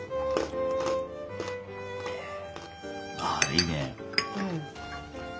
あいいね。